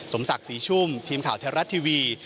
สมศักดิ์ศรีชุมทีมข่าวเทราะทีวี